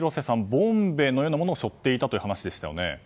ボンベのようなものを背負っていたという話でしたよね。